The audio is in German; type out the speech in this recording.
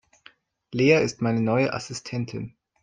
Lea ist meine neue Assistentin.